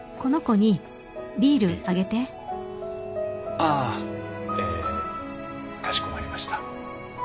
ああ。えかしこまりました。